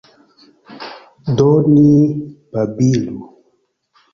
Do ni babilu.